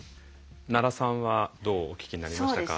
奈良さんはどうお聞きになりましたか？